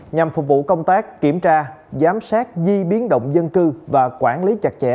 nhằm phục vụ công tác kiểm tra giám sát di biến động dân cư và quản lý chặt chẽ